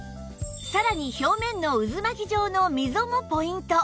さらに表面の渦巻き状の溝もポイント